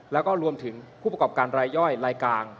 แล้วก็รวมถึงผู้ประกอบการรายย่อยรายกลาง